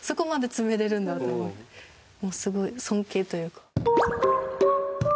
すごい尊敬というか。